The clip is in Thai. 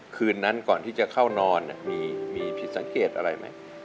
คืนนั้นก่อนที่จะเข้านอนมีผิดสังเกตอะไรไหม